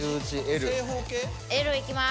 Ｌいきます。